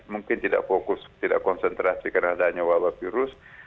mungkin tidak fokus tidak konsentrasi karena adanya wabah virus